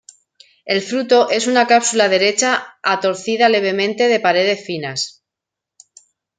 El fruto es una cápsula derecha a torcida levemente, de paredes finas.